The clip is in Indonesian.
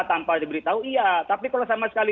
tetapi kalau sama sekali